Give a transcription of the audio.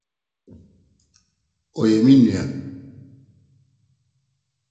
Ɔyɛ me nua.